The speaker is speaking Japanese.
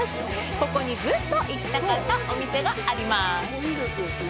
ここに、ずっと行きたかったお店があります。